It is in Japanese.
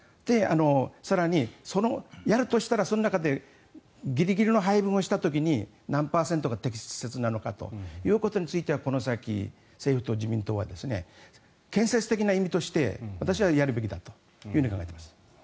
更に、やるとしたらその中でギリギリの配分をした時に何パーセントが適切なのかということについてはこの先、政府と自民党は建設的な意味として私はやるべきだと考えています。